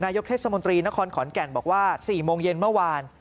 ยกเทศมนตรีนครขอนแก่นบอกว่า๔โมงเย็นเมื่อวาน